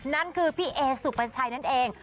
นั่นคือพี่เอสุปชัยนั่นเอง